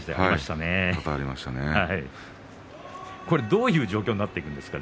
どういう状況になっていくんですか？